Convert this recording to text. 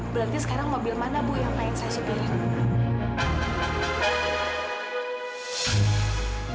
berarti sekarang mobil mana bu yang pengen saya pilih